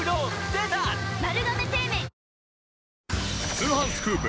『通販スクープ』